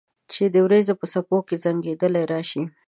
چې د اوریځو په څپو کې زنګیدلې راشي